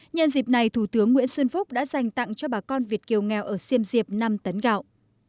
nhân dịp này thủ tướng nguyễn xuân phúc đã dành tặng cho bà con việt kiều nghèo ở xiêm diệp năm tấn gạo